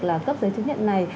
là cấp giấy chứng nhận này